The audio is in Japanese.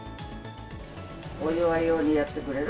お祝い用にやってくれる？